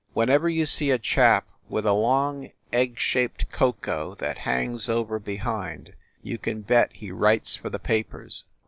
Whenever you see a chap with a long egg shaped coco that hangs over behind, you can bet he writes for the papers."